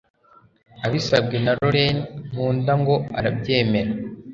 abisabwe na Laurent Nkunda ngo arabyemera